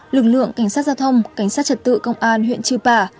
lực lượng cảnh sát giao thông cảnh sát trật tự công an huyện trư bà